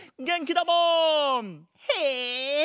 へえ！